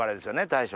大将。